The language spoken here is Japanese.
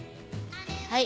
はい。